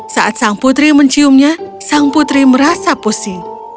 saat sang putri menciumnya sang putri merasa pusing